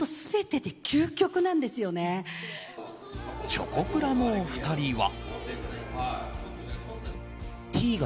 チョコプラのお二人は。